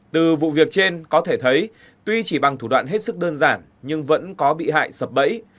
từ vụ việc trên có thể thấy tuy chỉ bằng thủ đoạn hết sức đơn giản nhưng vẫn có bị hại sập bẫy